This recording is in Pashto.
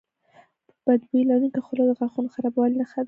بد بوی لرونکي خوله د غاښونو خرابوالي نښه ده.